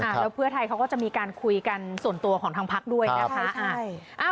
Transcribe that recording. แล้วเพื่อไทยเขาก็จะมีการคุยกันส่วนตัวของทางพักด้วยนะคะ